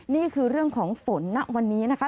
นี่คือเรื่องของฝนณวันนี้นะคะ